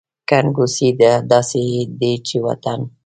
ګنګوسې داسې دي چې وطن …